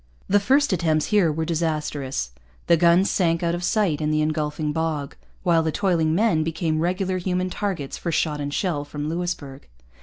The first attempts here were disastrous. The guns sank out of sight in the engulfing bog; while the toiling men became regular human targets for shot and shell from Louisbourg.